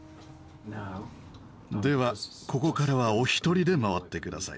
ではここからはお一人で回って下さい。